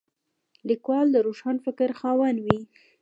لیکوال د روښان فکر خاوند وي.